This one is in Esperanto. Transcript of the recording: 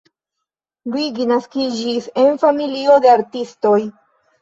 Luigi naskiĝis en familio de artistoj.